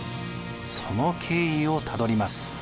その経緯をたどります。